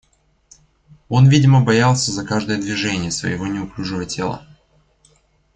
Он видимо боялся за каждое движение своего неуклюжего тела.